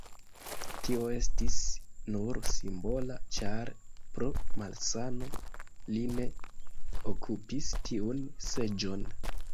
Tio estis nur simbola, ĉar pro malsano li ne okupis tiun seĝon.